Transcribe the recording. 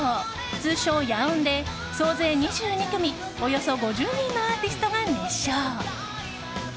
通称・野音で総勢２２組、およそ５０人のアーティストが熱唱。